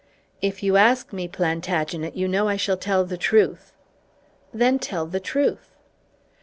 "If you ask me, Plantagenet, you know I shall tell the truth." "Then tell the truth."